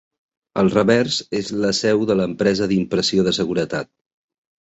Al revers és la seu de l'empresa d'impressió de seguretat.